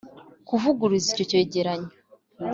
kuvuguruza icyo cyegeranyo